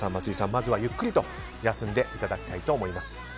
まずはゆっくり休んでいただきたいと思います。